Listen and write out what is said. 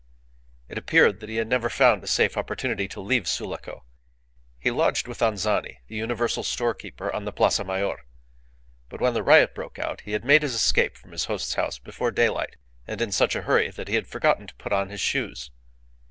It appeared that he had never found a safe opportunity to leave Sulaco. He lodged with Anzani, the universal storekeeper, on the Plaza Mayor. But when the riot broke out he had made his escape from his host's house before daylight, and in such a hurry that he had forgotten to put on his shoes.